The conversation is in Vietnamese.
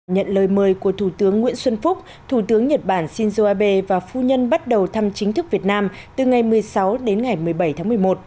nhận lời mời của thủ tướng nguyễn xuân phúc thủ tướng nhật bản shinzo abe và phu nhân bắt đầu thăm chính thức việt nam từ ngày một mươi sáu đến ngày một mươi bảy tháng một mươi một